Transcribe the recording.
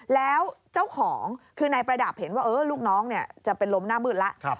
แล้วเจ้าของคือนายประดับเห็นว่าลูกน้องจะเป็นลมหน้ามืดแล้ว